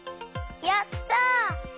やった！